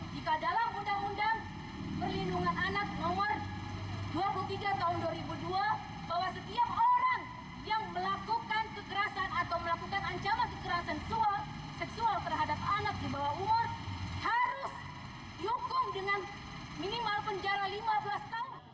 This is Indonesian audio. jika dalam undang undang perlindungan anak nomor dua puluh tiga tahun dua ribu dua bahwa setiap orang yang melakukan kekerasan atau melakukan ancaman kekerasan seksual terhadap anak di bawah umur harus dukung dengan minimal penjara lima belas tahun